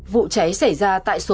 vụ cháy xảy ra trong phòng chống cháy